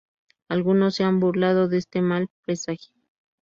Algunos se han burlado de este mal presagio.